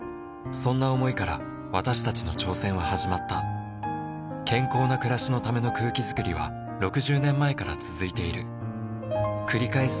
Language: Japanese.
そんな想いから私たちの挑戦は始まった健康な暮らしのための空気づくりは６０年前から続いている繰り返す